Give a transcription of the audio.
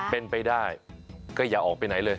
เป็นไปได้ก็อย่าออกไปไหนเลย